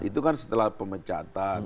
itu kan setelah pemecatan